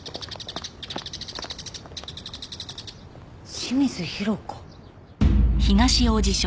清水裕子？